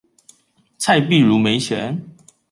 蔡璧如沒錢